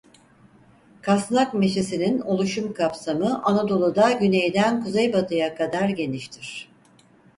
Kasnak meşesinin oluşum kapsamı Anadolu'da güneyden kuzeybatıya kadar geniştir.